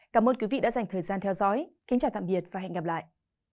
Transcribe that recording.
cảm ơn quý vị đã dành thời gian theo dõi kính chào tạm biệt và hẹn gặp lại